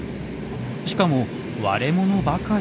しかも割れ物ばかり。